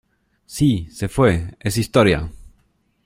¡ Sí! ¡ se fué !¡ es historia !